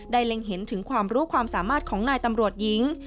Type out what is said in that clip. เล็งเห็นถึงความรู้ความสามารถของนายตำรวจหญิง